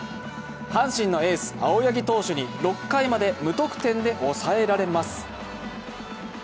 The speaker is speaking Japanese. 阪神のエース・青柳投手に６回まで無得点で押さえられます。